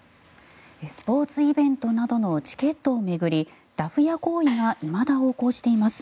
スポーツイベントなどのチケットを巡りダフ屋行為がいまだ横行しています。